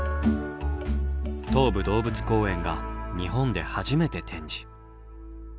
東武動物公園が日本で初めて展示。